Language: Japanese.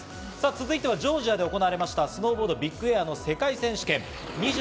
続いてジョージアで行われましたスノーボード・ビッグエアの世界選手権。